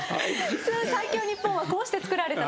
最強日本はこうして作られた。